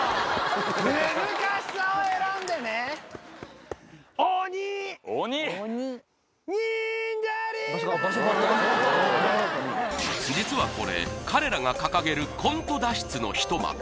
難しさを選んでね鬼鬼？にんじゃりばんばん実はこれ彼らが掲げるコント脱出の一幕